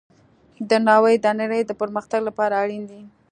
درناوی د نړۍ د پرمختګ لپاره اړین دی.